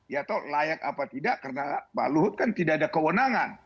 ya tau layak apa tidak karena pak luhut kan tidak ada kewenangan